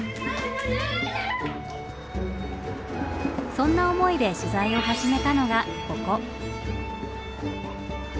そんな思いで取材を始めたのがここ。